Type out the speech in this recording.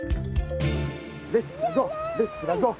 レッツラゴーレッツラゴー。